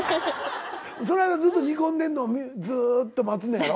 その間煮込んでんのをずっと待つのやろ？